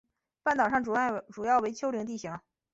半岛上主要为丘陵地形。